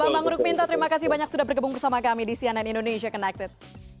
pak bambang rukminta terima kasih banyak sudah berkebun bersama kami di cnn indonesia connected